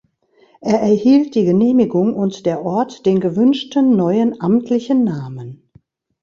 Er erhielt die Genehmigung und der Ort den gewünschten neuen amtlichen Namen.